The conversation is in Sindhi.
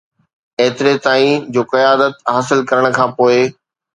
ايتري تائين جو قيادت حاصل ڪرڻ کان پوء